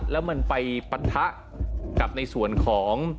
แล้วมันไปปะทะกับในส่วนของ